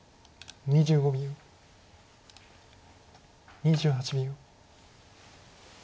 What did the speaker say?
２８秒。